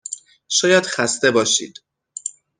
شاید خسته باشید.